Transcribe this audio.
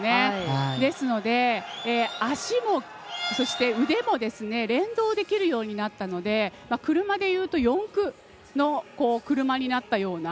ですので足も、そして腕も連動できるようになったので車で言うと四駆の車になったような。